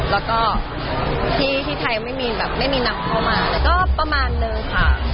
แล้วก็ที่ไทยไม่มีนัมเข้ามาก็ประมาณเลยค่ะ